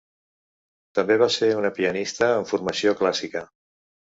També va ser una pianista amb formació clàssica.